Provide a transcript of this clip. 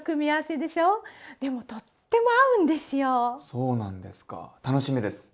そうなんですか。